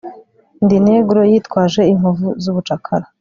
Ndi Negro yitwaje inkovu zubucakara